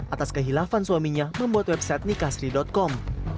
atas kehilapan suaminya membuat website nikahsiri com